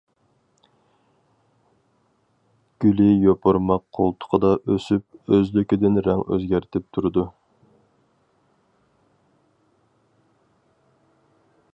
گۈلى يوپۇرماق قولتۇقىدا ئۆسۈپ ئۆزلۈكىدىن رەڭ ئۆزگەرتىپ تۇرىدۇ.